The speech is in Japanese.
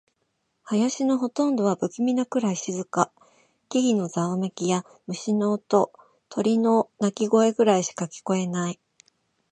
林のほとんどは不気味なくらい静か。木々のざわめきや、虫の音、鳥の鳴き声くらいしか聞こえない。